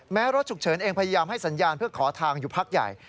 รถฉุกเฉินเองพยายามให้สัญญาณเพื่อขอทางอยู่พักใหญ่